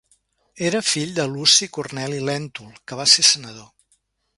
Era fill de Luci Corneli Lèntul, que va ser senador.